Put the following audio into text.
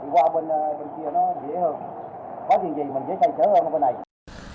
đi qua bên kia nó dễ hơn